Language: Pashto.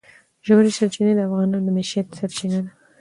ژورې سرچینې د افغانانو د معیشت سرچینه ده.